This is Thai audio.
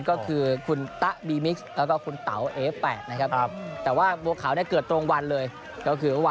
ก็คือ๒๕ปีแหละนะครับ